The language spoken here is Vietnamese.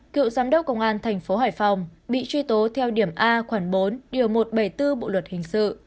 cựu giám đốc công an tp hải phòng bị truy tố theo điểm a khoảng bốn điều một trăm bảy mươi bốn bộ luật hình sự